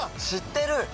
知ってる！